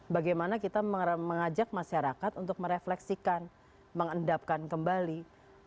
bagaimana kita mengajak masyarakat untuk merefleksikan mengendapkan kembali